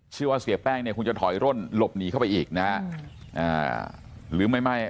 เชื่อว่าเสียแป้งเนี่ยคงจะถอยร่นหลบหนีเข้าไปอีกนะฮะ